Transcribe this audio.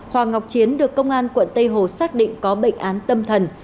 hoàng ngọc chiến được công an quận tây hồ xác định có bệnh án tâm thần